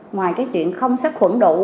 ngoài cái chuyện không sắc khuẩn đủ